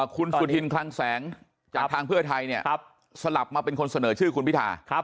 คุณสุธินคลังแสงจากทางเพื่อไทยเนี่ยสลับมาเป็นคนเสนอชื่อคุณพิธา